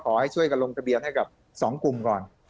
ขอให้ช่วยกันลงทะเบียนให้กับสองกลุ่มก่อน